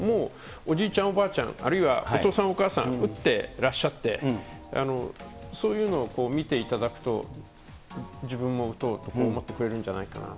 おじいちゃん、おばあちゃん、あるいは、お父さん、お母さん、打ってらっしゃって、そういうのを見ていただくと、自分も打とうと思ってくれるんじゃないかなと。